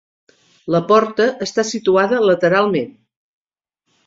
La porta està situada lateralment.